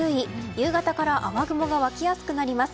夕方から雨雲が湧きやすくなります。